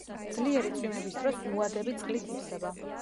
ძლიერი წვიმების დროს უადები წყლით ივსება.